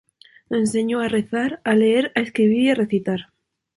Nos enseñó a rezar, a leer, a escribir y a recitar.